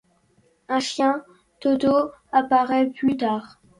Un chien, Toto, apparaît plus tard.